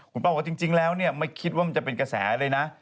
คุณป้าบอกว่าจริงแล้วเนี่ยไม่คิดว่ามันจะเป็นกระแสเลยนะ